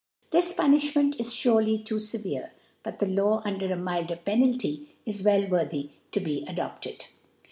This Punifhmpnt is k\rv:\ too fever e ; but the Law,, under a milder Penalty, is well worthy to be adopted.